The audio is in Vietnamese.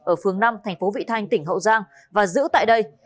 ở phương năm tp vị thanh tỉnh hậu giang và giữ tại đây